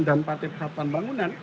dan partai persatuan bangunan